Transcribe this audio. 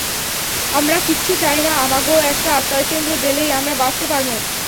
আমরা কিচ্ছু চাই না, আমাগো একটা আশ্রয়কেন্দ্র দেলেই আমরা বাঁচতে পারমু।